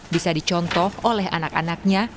bisa dicontoh oleh anak anaknya